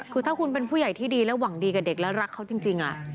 คือถ้าคุณเป็นผู้ใหญ่ที่ดีและหวังดีกับเด็กและรักเขาจริง